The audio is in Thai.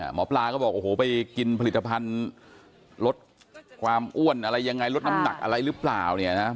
หมอปลาก็บอกโอ้โหไปกินผลิตภัณฑ์ลดความอ้วนอะไรยังไงลดน้ำหนักอะไรหรือเปล่าเนี่ยนะ